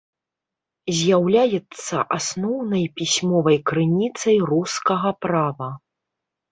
З'яўляецца асноўнай пісьмовай крыніцай рускага права.